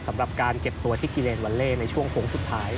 สำหรับการเก็บตัวที่กิเลนวัลเล่ในช่วงโค้งสุดท้าย